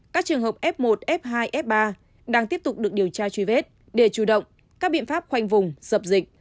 các trường hợp f một f hai f ba đang tiếp tục được điều tra truy vết để chủ động các biện pháp khoanh vùng dập dịch